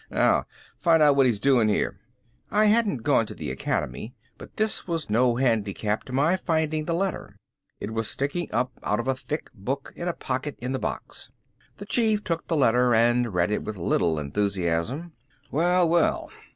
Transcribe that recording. Now find out what he's doing here." I hadn't gone to the academy, but this was no handicap to my finding the letter. It was sticking up out of a thick book in a pocket in the box. The Chief took the letter and read it with little enthusiasm. "Well, well!